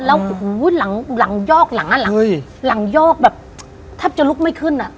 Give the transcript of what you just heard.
แล้วหูยหลังหลังยอกหลังหลังยอกแบบถ้าจะลุกไม่ขึ้นอ่ะ